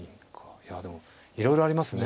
いやでもいろいろありますね。